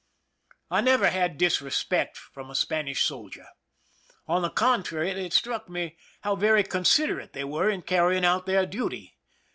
I never had disrespect from a Spanish soldier. On the contrary, it struck me how very considerate they were in carrying out their duty.